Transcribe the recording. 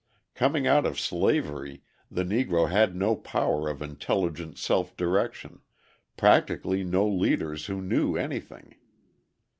Coming out of slavery, the Negro had no power of intelligent self direction, practically no leaders who knew anything.